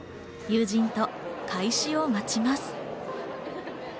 友人と開始を待ちます。